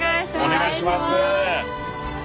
お願いします。